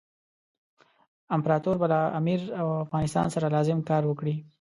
امپراطور به له امیر او افغانستان سره لازم کار وکړي.